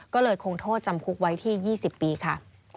ก็เลยคงโทษจำคุกไว้ที่๒๐ปีค่ะ